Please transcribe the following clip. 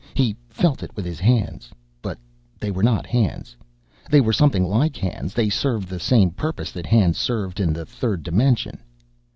He felt it with his hands, but they were not hands. They were something like hands; they served the same purpose that hands served in the third dimension.